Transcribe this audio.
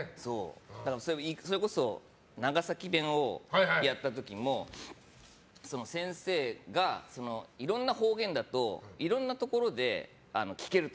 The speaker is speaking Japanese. それこそ長崎弁をやった時も先生がいろんな方言だといろんなところで聞けると。